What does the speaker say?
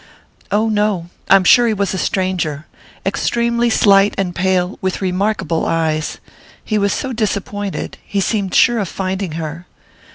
"Oh, no I'm sure he was a stranger. Extremely slight and pale, with remarkable eyes. He was so disappointed he seemed sure of finding her."